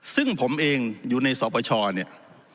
ซึ่งผมเองอยู่ในสปชเนี่ย